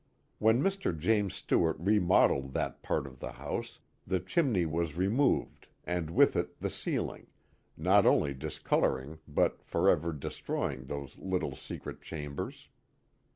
When Mr. James Stewart remodelled that part of the house the chimney was removed and with it the ceiling, not only disclosing but forever destroying those little secret chambers.